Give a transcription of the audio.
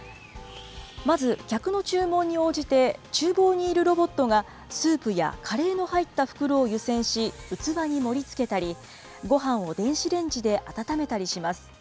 まず客の注文に応じて、ちゅう房にいるロボットがスープやカレーの入った袋を湯せんし、器に盛りつけたり、ごはんを電子レンジで温めたりします。